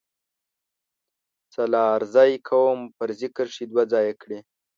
سلارزی قوم فرضي کرښې دوه ځايه کړي